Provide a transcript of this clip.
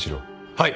はい。